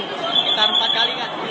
sekitar empat kali kan